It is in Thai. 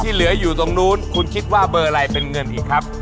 เหลืออยู่ตรงนู้นคุณคิดว่าเบอร์อะไรเป็นเงินอีกครับ